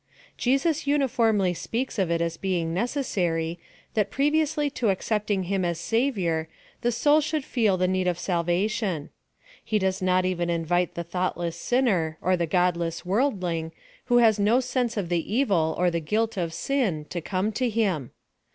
Jesus uniformly speaks of it as being necessary, that previously to accepting him as a Savior, the soul should feel the need of salvation. He does not even invite the thoughtless sinner, or the godless worldling, who has no sense of the evil or the guilt of sin, to come to him.